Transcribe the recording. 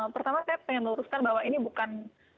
pertama saya ingin luruskan bahwa ini bukan